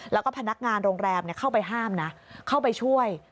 แล้วก็พนักงานโรงแรมเข้าไปห้ามนะเข้าไปช่วย